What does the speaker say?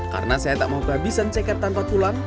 karena saya tak mau kehabisan ceker tanpa tulang